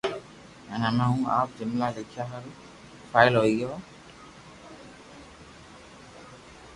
ھين ھئمي ھين آپ جملا لکيا ھارو قابل ھوئي گيو ھون